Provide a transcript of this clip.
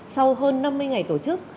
sau hơn năm mươi ngày tổ chức